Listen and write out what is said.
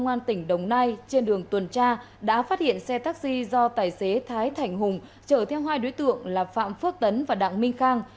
công an tỉnh đồng nai trên đường tuần tra đã phát hiện xe taxi do tài xế thái thành hùng chở theo hai đối tượng là phạm phước tấn và đặng minh khang